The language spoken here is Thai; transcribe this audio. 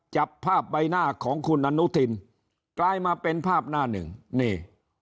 จับภาพใบหน้าของคุณอนุทินกลายมาเป็นภาพหน้าหนึ่งนี่